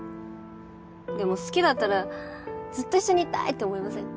でも好きだったらずっと一緒にいたいって思いません？